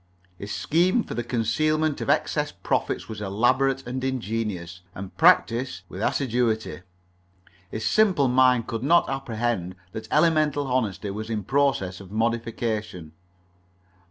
His scheme for the concealment of excess profits was elaborate and ingenious, and practised with assiduity. His simple mind could not apprehend that elemental honesty was in process of modification.